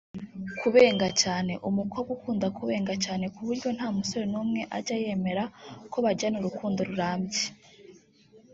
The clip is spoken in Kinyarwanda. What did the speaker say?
Kubenga cyane ; umukobwa ukunda kubenga cyane ku buryo nta musore n’umwe ajya yemera ko bagirana urukundo rurambye